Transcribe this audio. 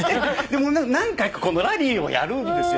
何回かこのラリーをやるんですよ。